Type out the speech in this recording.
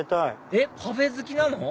えっパフェ好きなの？